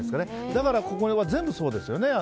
だから、これは全部そうですね。